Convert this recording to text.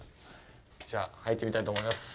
じゃあ、入ってみたいと思います。